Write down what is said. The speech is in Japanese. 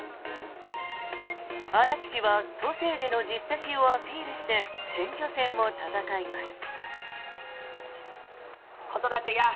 荒木氏は都政での実績をアピールして選挙戦を戦います。